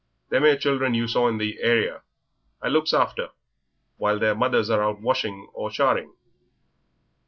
"Them 'ere children you saw in the area I looks after while their mothers are out washing or charing.